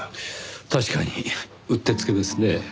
確かにうってつけですねぇ。